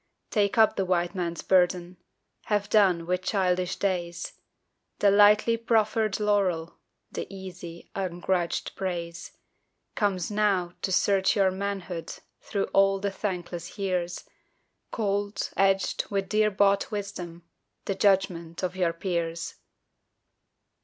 Take up the White Man's burden Have done with childish days The lightly proffered laurel The easy, ungrudged praise. Comes now, to search your manhood Through all the thankless years, Cold, edged with dear bought wisdom, The judgment of your peers!